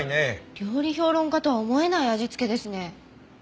料理評論家とは思えない味付けですね。